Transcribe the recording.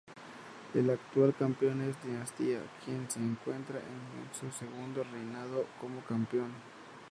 El actual campeón es Dinastía, quien se encuentra en su segundo reinado como campeón.